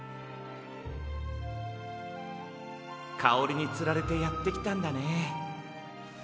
かおりにつられてやってきたんだね。